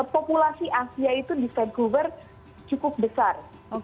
populasi asia itu di vancouver cukup besar